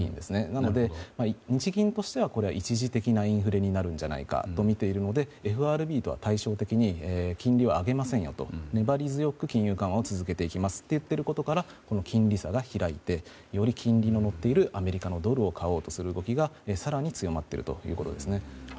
なので日銀としては一時的なインフレになるのではとみていますからＦＲＢとは対照的に金利は上げませんよと粘り強く金融緩和を続けると言っていることから金利差が開いてより金利の乗っているアメリカのドルを買おうとする動きが更に強まっているということです。